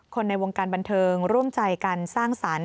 ในวงการบันเทิงร่วมใจกันสร้างสรรค์